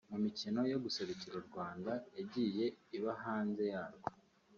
mu mikino yo guserukira u Rwanda yagiye iba hanze yarwo